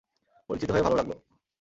পরিচিত হয়ে ভালো লাগলো।